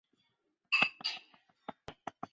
旧热带界是生物地理学的一个名词。